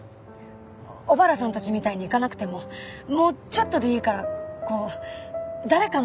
小原さんたちみたいにいかなくてももうちょっとでいいからこう誰かの役に立ちたい。